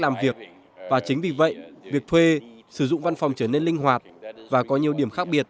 làm việc và chính vì vậy việc thuê sử dụng văn phòng trở nên linh hoạt và có nhiều điểm khác biệt